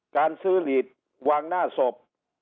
การซื้อหลีดวางหน้าศพ